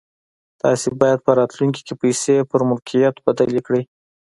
تاسې بايد په راتلونکي کې پيسې پر ملکيت بدلې کړئ.